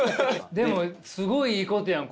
でもすごいいいことやん。